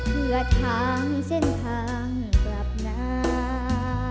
เพื่อทางเส้นทางกลับหน้า